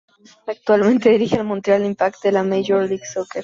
Actualmente dirige al Montreal Impact de la Major League Soccer.